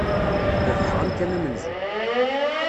Rebḥeɣ amkan amenzu.